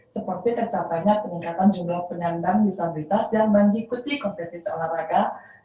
seperti tercapainya peningkatan jumlah penyandang disabilitas dan mengikuti kompetisi olahraga